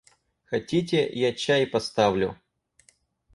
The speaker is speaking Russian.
Хотите, я чай поставлю.